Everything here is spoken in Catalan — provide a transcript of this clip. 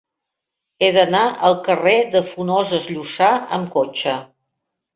He d'anar al carrer de Funoses Llussà amb cotxe.